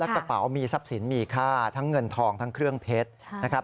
กระเป๋ามีทรัพย์สินมีค่าทั้งเงินทองทั้งเครื่องเพชรนะครับ